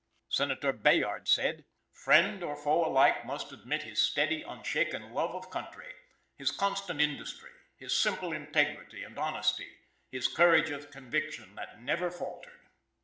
Senator Bayard said: "Friend or foe alike must admit his steady, unshaken love of country; his constant industry; his simple integrity and honesty; his courage of conviction, that never faltered."